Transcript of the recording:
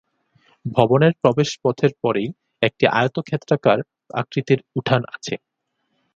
ভবনের প্রবেশপথের পরেই একটি আয়তক্ষেত্রাকার আকৃতির উঠান আছে।